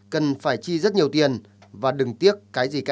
cần phải chi rất nhiều tiền và đừng tiếc cái gì cả